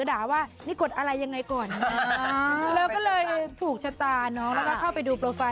สวัสดีค่ะ